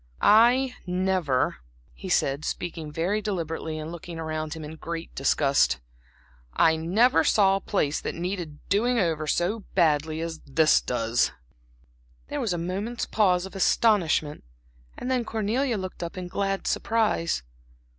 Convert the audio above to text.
"I never," he said, speaking very deliberately and looking about him in great disgust, "I never saw a place that needed doing over so badly as this does." There was a moment's pause of astonishment; and then Cornelia looked up in glad surprise.